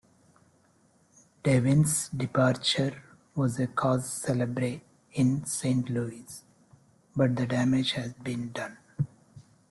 Devine's departure was a cause-celebre in Saint Louis, but the damage had been done.